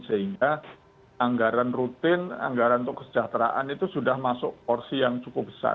sehingga anggaran rutin anggaran untuk kesejahteraan itu sudah masuk porsi yang cukup besar